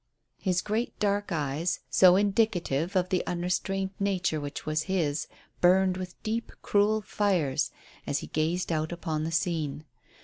His great dark eyes, so indicative of the unrestrained nature which was his, burned with deep, cruel fires as he gazed out upon the scene.